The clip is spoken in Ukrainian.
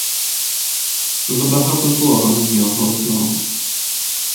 Забагато злого на нього одного.